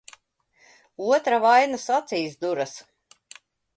Otra vainas acīs duras.